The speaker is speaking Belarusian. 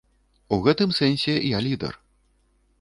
У гэтым сэнсе я лідар.